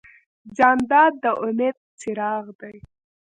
جانداد د امید څراغ دی.